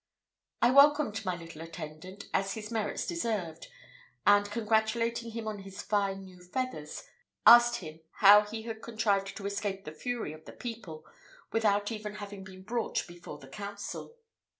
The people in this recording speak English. I welcomed my little attendant as his merits deserved; and congratulating him on his fine new feathers, asked him how he had contrived to escape the fury of the people, without even having been brought before the council.